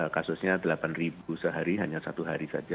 kasusnya delapan ribu sehari hanya satu hari saja